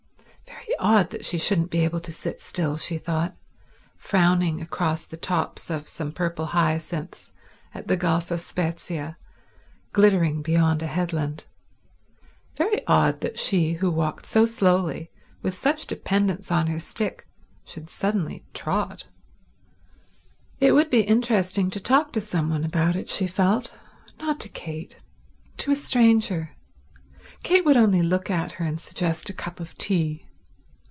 Very odd that she shouldn't be able to sit still, she thought, frowning across the tops of some purple hyacinths at the Gulf of Spezia glittering beyond a headland; very odd that she, who walked so slowly, with such dependence on her stick, should suddenly trot. It would be interesting to talk to some one about it, she felt. Not to Kate—to a stranger. Kate would only look at her and suggest a cup of tea.